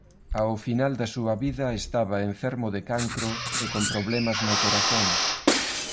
Ao final da súa vida estaba enfermo de cancro e con problemas no corazón.